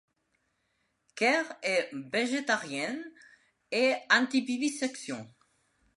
Ker est végétarienne et anti-vivisection.